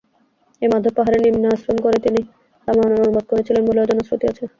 এই মাধব পাহাড়ের নিম্নে আশ্রম করে তিনি রামায়ণের অনুবাদ করেছিলেন বলেও জনশ্রুতি আছে।